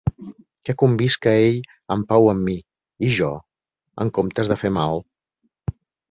Que convisca ell en pau amb mi, i jo, en comptes de fer mal...